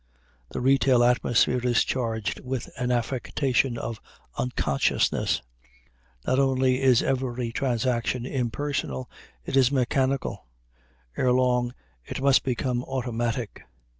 The retail atmosphere is charged with an affectation of unconsciousness; not only is every transaction impersonal, it is mechanical; ere long it must become automatic.